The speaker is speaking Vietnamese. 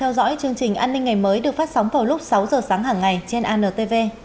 theo dõi chương trình an ninh ngày mới được phát sóng vào lúc sáu giờ sáng hàng ngày trên antv